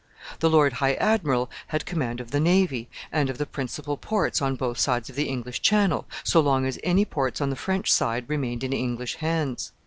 The Lord High Admiral had command of the navy, and of the principal ports on both sides of the English Channel, so long as any ports on the French side remained in English hands.